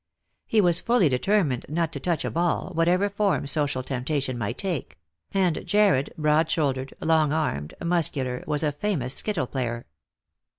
He was fully determined not to touch a ball, whatever form social temptation might take; and Jarred, broad shouldered, long armed, muscular, was a famous skittle player.